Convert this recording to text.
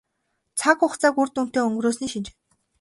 Цаг хугацааг үр дүнтэй өнгөрөөсний шинж.